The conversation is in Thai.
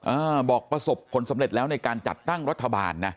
อ่าบอกประสบผลสำเร็จแล้วในการจัดตั้งรัฐบาลนะ